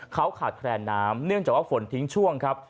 เขาขาดแคลนน้ำเนื่องจากว่าฝนทิ้งช่วงครับ